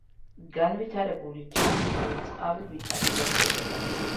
განვითარებული ჩანს ურწყავი მიწათმოქმედება.